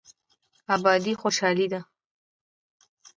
ابادي خوشحالي ده.